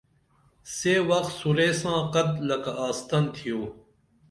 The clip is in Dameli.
سے وخ سُرے ساں قد لکہ آستن تِھیو